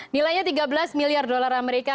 nilainya tiga belas miliar dolar amerika